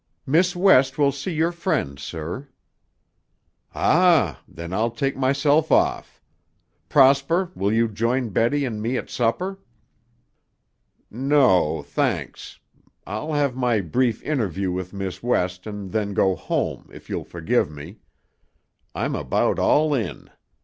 "Miss West will see your friend, sir." "Ah! Then I'll take myself off. Prosper, will you join Betty and me at supper?" "No, thanks. I'll have my brief interview with Miss West and then go home, if you'll forgive me. I'm about all in.